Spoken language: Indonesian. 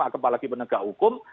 apalagi penegak hukum